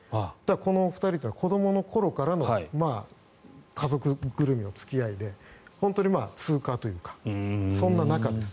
この２人は子どもの頃からの家族ぐるみの付き合いで本当にツーカーというかそんな中です。